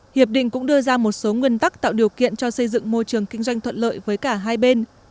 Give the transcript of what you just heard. hiệp định cũng đưa ra một số nguyên tắc tạo điều kiện cho xây dựng môi trường kinh doanh thuận lợi với cả hai bên